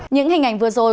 những hình ảnh vừa rồi